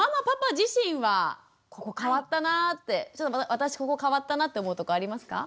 私ここ変わったなって思うとこありますか？